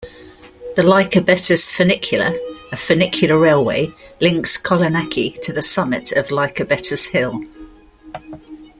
The Lycabettus Funicular, a funicular railway, links Kolonaki to the summit of Lycabettus hill.